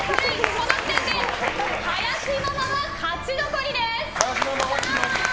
この時点で林ママは勝ち残りです！